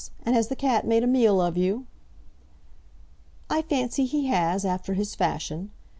And has the cat made a meal of you?" "I fancy he has, after his fashion.